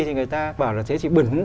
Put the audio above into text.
thì người ta bảo là thế thì bẩn